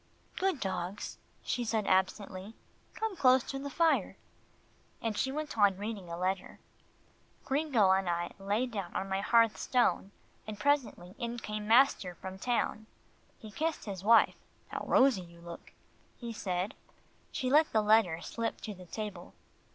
"Good dogs," she said absently, "come close to the fire," and she went on reading a letter. Gringo and I lay down on my hearth stone, and presently in came master from town. He kissed his wife "How rosy you look," he said. She let the letter slip to the table.